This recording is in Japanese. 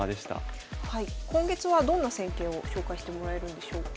今月はどんな戦型を紹介してもらえるんでしょうか。